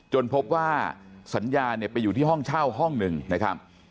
พบว่าสัญญาเนี่ยไปอยู่ที่ห้องเช่าห้องหนึ่งนะครับ